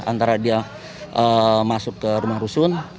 antara dia masuk ke rumah rusun